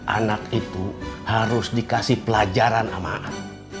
anak itu harus dikasih pelajaran amaat